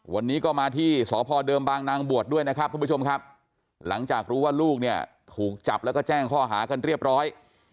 วันนี้ก็มาที่สพเดิมบางนางบวชด้วยนะครับทุกผู้ชมครับหลังจากรู้ว่าลูกเนี่ยถูกจับแล้วก็แจ้งข้อหากันเรียบร้อย